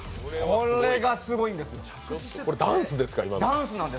これがすごいんですよ。